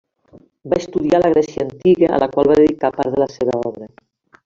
Va estudiar la Grècia antiga, a la qual va dedicar part de la seva obra.